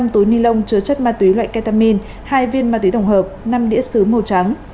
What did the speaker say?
năm túi ni lông chứa chất ma túy loại ketamin hai viên ma túy tổng hợp năm đĩa xứ màu trắng